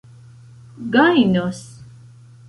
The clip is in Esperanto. gajnos